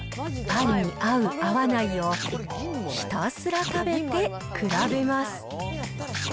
パンに合う、合わないを、ひたすら食べて比べます。